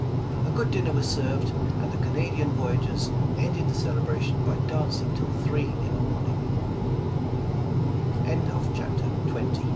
A good dinner was served, and the Canadian voyageurs ended the celebration by dancing till three in the morni